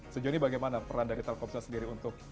sejujurnya bagaimana peran dari telkomsel sendiri untuk